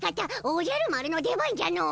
おじゃる丸の出番じゃの。